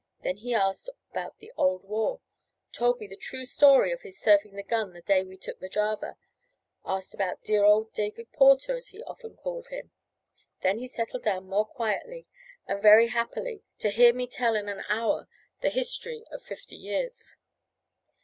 Then he asked about the old war told me the true story of his serving the gun the day we took the Java asked about dear old David Porter, as he called him. Then he settled down more quietly, and very happily, to hear me tell in an hour the history of fifty years.